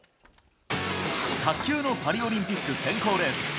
卓球のパリオリンピック選考レース。